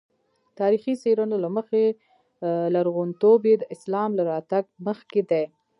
تاریخي څېړنو له مخې لرغونتوب یې د اسلام له راتګ مخکې دی.